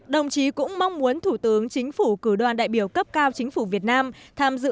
đồng chí cũng mong muốn thủ tướng chính phủ cử đoàn đại biểu cấp cao chính phủ việt nam tham dự